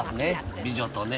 美女とね